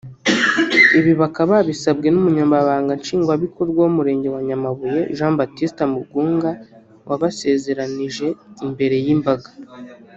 Ibi bakaba babisabwe n’umunyamabanga nshingabikorwa w’umurenge wa Nyamabuye; Jean Baptiste Mugunga wabasezeranije imbere y’imbaga